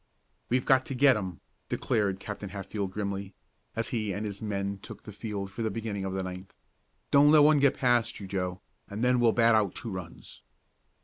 "We've got to get 'em!" declared Captain Hatfield grimly, as he and his men took the field for the beginning of the ninth. "Don't let one get past you, Joe, and then we'll bat out two runs."